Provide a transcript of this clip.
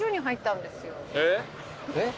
えっ？